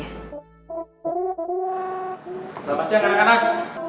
selamat siang kanak kanak